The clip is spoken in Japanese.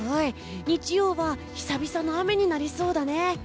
日曜は久々の雨になりそうだね。